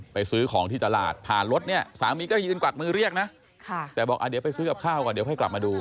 ซื้อของที่ตลาดผ่านรถเนี่ยสามีก็ยืนกวักมือเรียกนะแต่บอกเดี๋ยวไปซื้อกับข้าวก่อนเดี๋ยวค่อยกลับมาดู